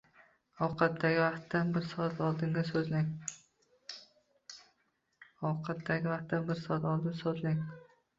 Odatdagi vaqtdan bir soat oldinga sozlang.